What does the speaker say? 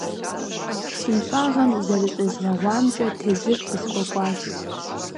Псынщӏагъэм зэрыщӏезгъэгъуамкӏэ тезыр къысхуэкӏуащ.